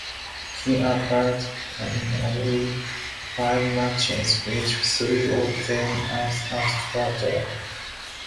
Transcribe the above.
He appeared in only five matches, which three of them as a starter.